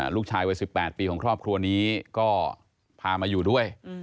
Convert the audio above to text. ลูกชายวัย๑๘ปีของครอบครัวนี้ก็พามาอยู่ด้วย